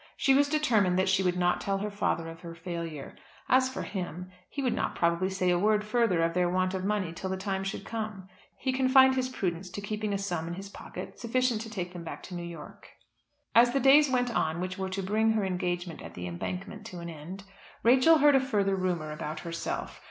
She was determined that she would not tell her father of her failure. As for him, he would not probably say a word further of their want of money till the time should come. He confined his prudence to keeping a sum in his pocket sufficient to take them back to New York. As the days went on which were to bring her engagement at "The Embankment" to an end, Rachel heard a further rumour about herself.